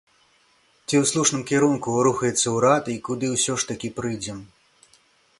Ці ў слушным кірунку рухаецца ўрад, і куды ўсё ж такі прыйдзем?